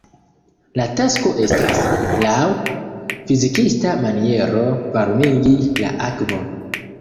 La tasko estas, laŭ fizikista maniero varmigi la akvon.